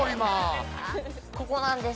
ここなんです